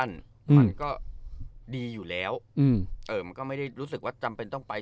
มันก็ดีอยู่แล้วมันก็ไม่ได้รู้สึกว่าจำเป็นต้องไป